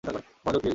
মনোযোগ, প্লিজ!